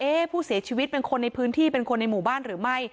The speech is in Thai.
ผู้เสียชีวิตเป็นคนในพื้นที่เป็นคนในหมู่บ้านหรือไม่